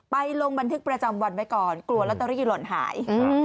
ลงบันทึกประจำวันไว้ก่อนกลัวลอตเตอรี่หล่นหาย